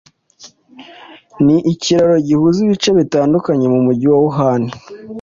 ni ikiraro gihuza ibice bitandukanye mu mujyi wa Wuhan